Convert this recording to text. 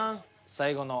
最後の。